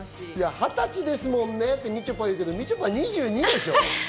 ２０歳ですもんねっていうけど、みちょぱ、２２でしょ？